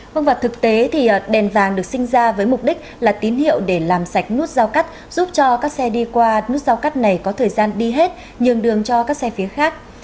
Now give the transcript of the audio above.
vâng và thực tế thì đèn vàng được sinh ra với mục đích là tín hiệu để làm sạch nút giao cắt giúp cho các xe đi qua nút giao cắt này có thời gian đi hết nhường đường cho các xe phía khác